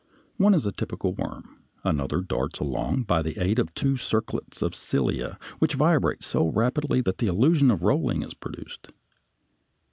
One is a typical worm, another darts along by the aid of two circlets of cilia which vibrate so rapidly that the illusion of rolling is produced.